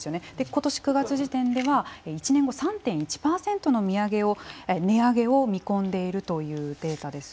今年９月時点では１年後、３．１％の値上げを見込んでいるというデータです。